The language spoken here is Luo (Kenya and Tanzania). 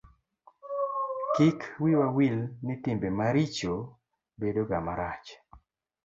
kik wiwa wil ni timbe maricho bedo ga marach